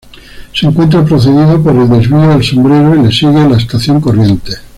Se encuentra precedida por el Desvío El Sombrero y le sigue la Estación Corrientes.